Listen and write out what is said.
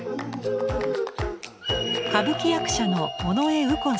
歌舞伎役者の尾上右近さん。